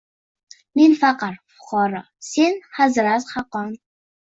Men faqir fuqaro, sen hazrat, hoqon